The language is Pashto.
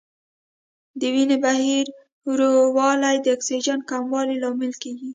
د وینې بهیر ورو والی د اکسیجن کموالي لامل کېږي.